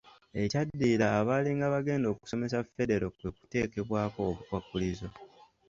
Ekyaddirira abaalinga Bagenda okusomesa Federo kwekuteekebwako obukwakkulizo.